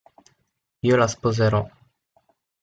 Io la sposerò!